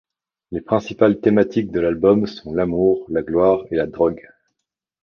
Les principales thématiques de l'album sont l'amour, la gloire et la drogue.